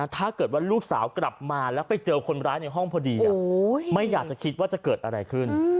ถ้าเกิดว่าลูกสาวกลับมาแล้วไปเจอคนร้ายในห้องพอดีไม่อยากจะคิดว่าจะเกิดอะไรขึ้น